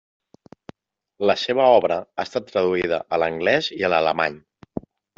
La seva obra ha estat traduïda a l'anglès i a l'alemany.